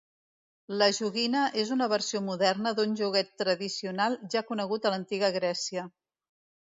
La joguina és una versió moderna d'un joguet tradicional ja conegut a l'antiga Grècia.